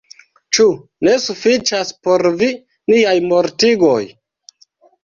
Ĉu ne sufiĉas por vi niaj mortigoj?